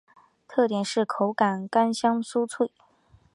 特点是口感干香酥脆。